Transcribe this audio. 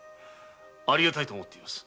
ありがたいと思っています。